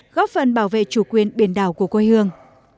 góp phần bảo vệ chủ quyền biển đảo của quê hương